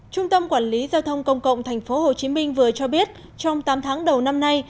trung tâm quản lý giao thông công cộng tp hcm vừa cho biết trong tám tháng đầu năm nay